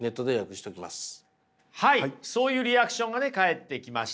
はいそういうリアクションがね返ってきました。